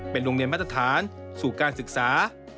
เป็นโรงเรียนมาตรฐานสู่การศึกษา